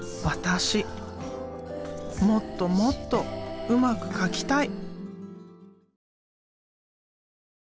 もっともっとうまく描きたい！